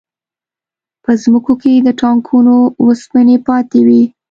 په ځمکو کې د ټانکونو وسپنې پاتې وې